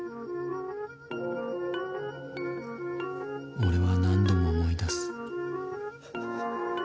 俺は何度も思い出す。